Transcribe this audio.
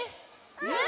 うん！